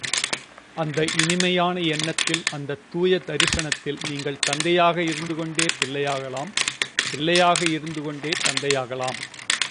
அந்த இனிமையான எண்ணத்தில் அந்தத் தூய தரிசனத்தில் நீங்கள் தந்தையாக இருந்துகொண்டே பிள்ளையாகலாம், பிள்ளையாக இருந்துகொண்டே தந்தையாகலாம்.